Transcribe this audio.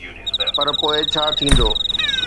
پر پوءِ ڇا ٿيندو؟